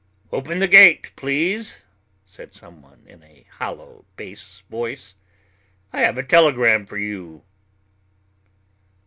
"Open the gate, please," said some one in a hollow bass voice. "I have a telegram for you."